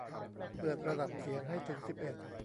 เปิดระดับเสียงให้ถึงสิบเอ็ด